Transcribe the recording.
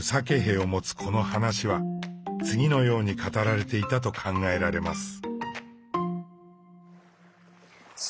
この話は次のように語られていたと考えられます。